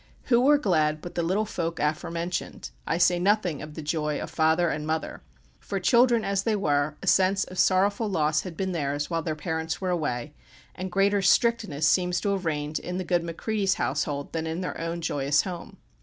Who were glad but the little folk aforementioned I say nothing of the joy of father and mother; for children as they were, a sense of sorrowful loss had been theirs while their parents were away, and greater strictness seems to have reigned in the good Macready's household than in their own joyous home.